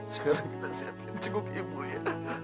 sekarang kita siapkan cukup ibu ya